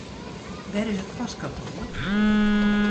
Wêr is it postkantoar?